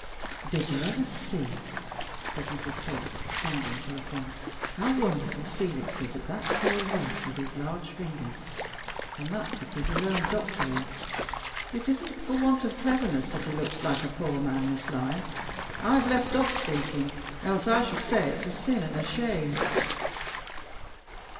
"Did you ever see," said Mrs. Holt, standing to look on, "how wonderful Felix is at that small work with his large fingers? And that's because he learned doctoring. It isn't for want of cleverness he looks like a poor man, Miss Lyon. I've left off speaking, else I should say it's a sin and a shame." [Illustration: FELIX HOLT AND JOB TUDGE.